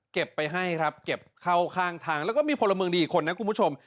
ไปให้ครับเก็บเข้าข้างทางแล้วก็มีพลเมืองดีอีกคนนะคุณผู้ชม